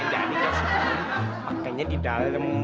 jadi ga superman pakenya di dalem